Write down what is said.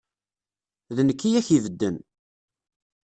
D nekk i ak-ibedden.